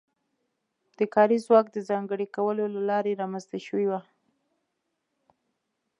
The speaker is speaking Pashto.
د کاري ځواک د ځانګړي کولو له لارې رامنځته شوې وه.